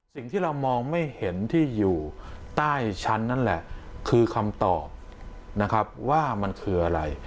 สิ่งที่เรามองไม่เห็นที่อยู่ใต้ชั้นนั่นแหละคือคำตอบนะครับว่ามันคืออะไร